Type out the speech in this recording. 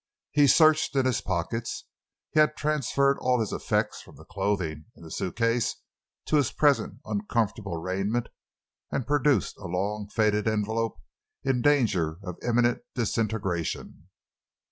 He searched in his pockets—he had transferred all his effects from the clothing in the suitcase to his present uncomfortable raiment—and produced a long, faded envelope in danger of imminent disintegration.